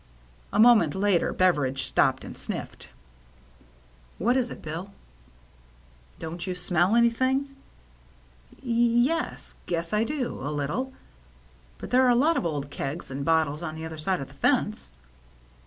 A moment later Beveridge stopped and snifFed. "What is it. Bill?" " Don't you smell anything ?" "Ye ycs, guess I do, a little. But there are a lot of old kegs and bottles on the other side of the fence."